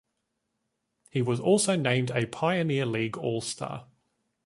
He was also named a Pioneer League All-Star.